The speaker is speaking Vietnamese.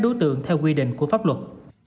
đối tượng theo quy định của pháp luật